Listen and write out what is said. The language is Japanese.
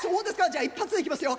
じゃあ一発でいきますよ。